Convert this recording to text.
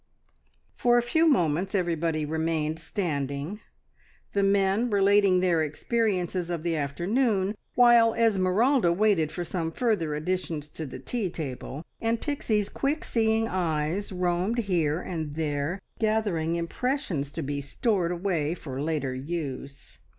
For a few moments everybody remained standing, the men relating their experiences of the afternoon, while Esmeralda waited for some further additions to the tea table, and Pixie's quick seeing eyes roamed here and there gathering impressions to be stored away for later use.